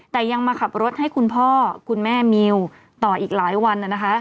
แต่ยังมาขับรถให้คุณพ่อคุณแม่มิวต่ออีกหลายวันนะคะ